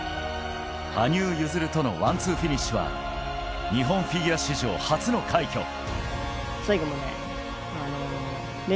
羽生結弦とのワンツーフィニッシュは日本フィギュア史上初の快挙。